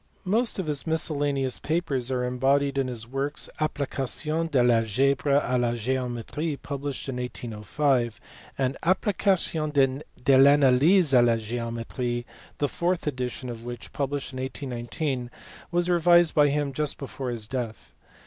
Most of his miscellaneous papers are embodied in his works Application de Valgebre a la geometrie published in 1805, and Application de Vanalyse a la geometrie, the fourth edition of which, published in 1819, was revised by him just before his death.